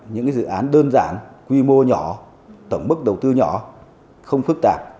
những cái dự án đơn giản quy mô nhỏ tổng bức đầu tư nhỏ không phức tạp